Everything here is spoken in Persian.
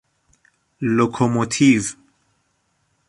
لوکو موتیو